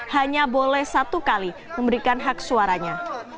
hanya boleh satu kali memberikan hak suaranya